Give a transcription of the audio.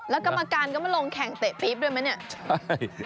แล้วกรรมการก็มาลงแข่งเตะปี๊บด้วยไหมเนี่ย